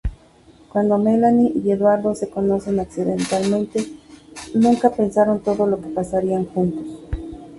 Cuando Melanie y Eduardo se conocen accidentalmente, nunca pensaron todo lo que pasarían juntos.